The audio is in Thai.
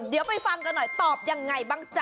เดี๋ยวไปฟังกันหน่อยตอบยังไงบ้างจ๊ะ